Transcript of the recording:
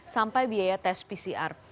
sampai biaya tes pcr